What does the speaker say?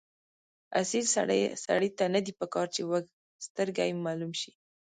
اصیل سړي ته نه دي پکار چې وږسترګی معلوم شي.